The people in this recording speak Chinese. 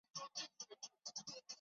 致使精神上受到极大的打击。